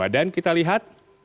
dan kita lihat